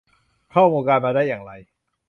เข้าวงการมาได้อย่างไร